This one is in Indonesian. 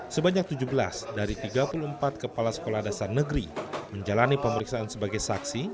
sebanyak tujuh belas dari tiga puluh empat kepala sekolah dasar negeri menjalani pemeriksaan sebagai saksi